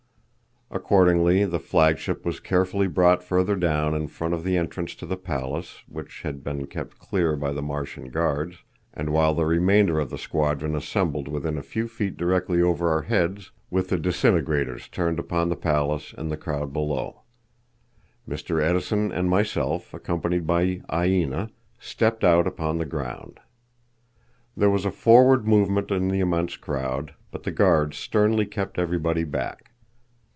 Accordingly the flagship was carefully brought further down in front of the entrance to the palace, which had been kept clear by the Martian guards, and while the remainder of the squadron assembled within a few feet directly over our heads with the disintegrators turned upon the palace and the crowd below. Mr. Edison and myself, accompanied by Aina, stepped out upon the ground. There was a forward movement in the immense crowd, but the guards sternly kept everybody back.